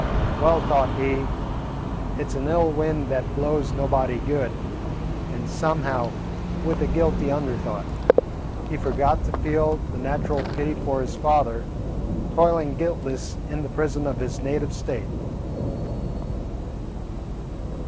Well, thought he, it 's an ill wind that blows nobody good, and somehow, with a guilty under thought, he forgot to feel the natural pity for his father, toiling guiltless in the prison of his native State.